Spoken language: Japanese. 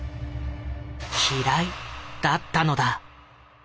「嫌い」だったのだ。